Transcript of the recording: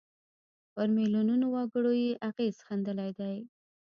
پر میلیونونو وګړو یې اغېز ښندلی دی.